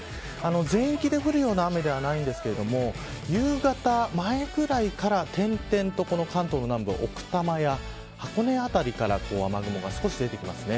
全域で降るような雨ではないんですが夕方前ぐらいから点々と関東の南部奥多摩や箱根辺りから雨雲が少し出てきますね。